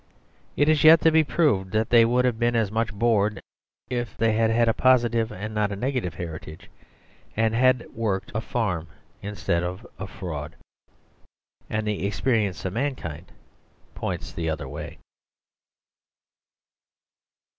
It has yet to be proved that they would have been as much bored if they had had a positive and not a negative heri tage; and had worked a farm instead of a fraud. And the experience of mankind points the other way.